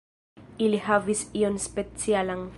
Ili havis ion specialan.